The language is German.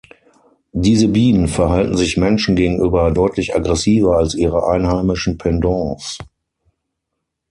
Diese Bienen verhalten sich Menschen gegenüber deutlich aggressiver als ihre einheimischen Pendants.